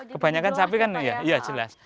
kebanyakan sapi kan ya jelas